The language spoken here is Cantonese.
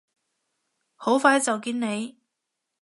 好快就見你！